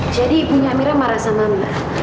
jadi ibunya amira marah sama mbak